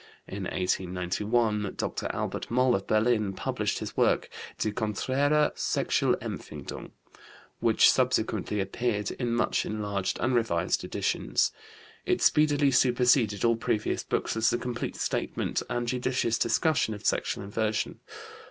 In 1891 Dr. Albert Moll, of Berlin, published his work, Die Konträre Sexualempfindung, which subsequently appeared in much enlarged and revised editions. It speedily superseded all previous books as a complete statement and judicious discussion of sexual inversion.